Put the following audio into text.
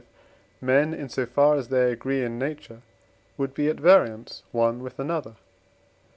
men in so far as they agree in nature, would be at variance one with another?